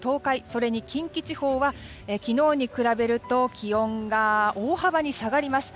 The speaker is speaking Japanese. それに近畿地方は昨日に比べると気温が大幅に下がります。